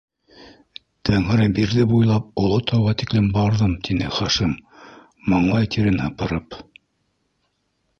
Тәңребирҙе буйлап, Оло тауға тиклем барҙым, - тине Хашим, маңлай тирен һыпырып.